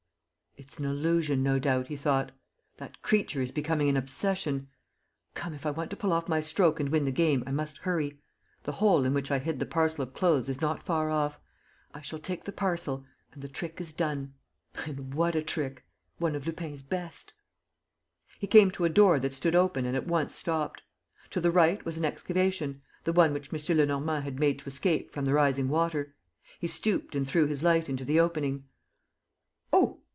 "It's an illusion, no doubt," he thought. "That creature is becoming an obsession. ... Come, if I want to pull off my stroke and win the game, I must hurry. ... The hole in which I hid the parcel of clothes is not far off. I shall take the parcel ... and the trick is done. ... And what a trick! One of Lupin's best! ..." He came to a door that stood open and at once stopped. To the right was an excavation, the one which M. Lenormand had made to escape from the rising water. He stooped and threw his light into the opening: "Oh!"